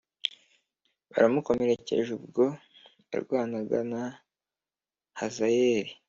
baramukomerekeje ubwo yarwanaga na Hazayeli